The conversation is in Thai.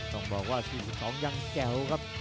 ต้องบอกว่า๔๒ยังแจ๋วครับ